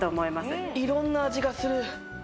いろんな味がする。